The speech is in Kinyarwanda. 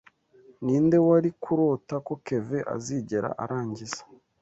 Ninde wari kurota ko Kevin azigera arangiza?